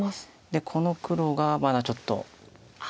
でこの黒がまだちょっと。